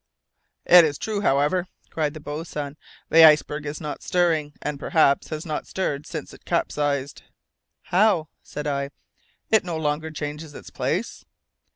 "It is true, however," cried the boatswain. "The iceberg is not stirring, and perhaps has not stirred since it capsized!" "How?" said I, "it no longer changes its place?"